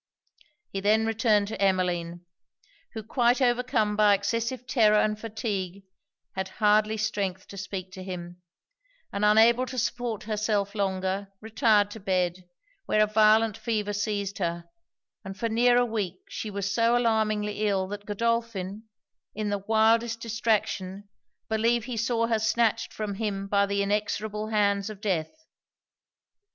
He then returned to Emmeline; who, quite overcome by excessive terror and fatigue, had hardly strength to speak to him; and unable to support herself longer, retired to bed, where a violent fever seized her; and for near a week she was so alarmingly ill, that Godolphin, in the wildest distraction, believed he saw her snatched from him by the inexorable hands of death.